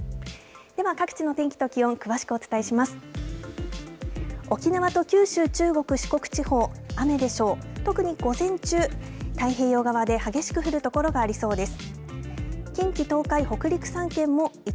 では各地の天気と気温詳しくお伝えします。